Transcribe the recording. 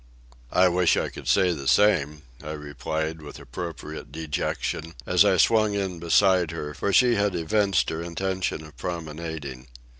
"I wish I could say the same," I replied with appropriate dejection, as I swung in beside her, for she had evinced her intention of promenading.